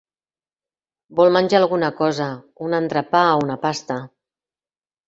Vol menjar alguna cosa, un entrepà o una pasta?